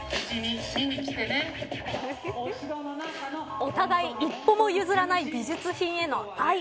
お互い、一歩も譲らない美術品への愛。